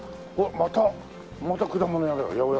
またまた果物屋だよ